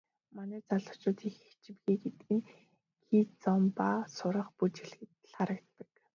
Манай залуучууд их ичимхий гэдэг нь кизомба сурах, бүжиглэхэд ч харагддаг.